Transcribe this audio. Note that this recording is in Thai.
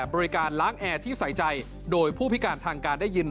บริการล้างแอร์ที่ใส่ใจโดยผู้พิการทางการได้ยิน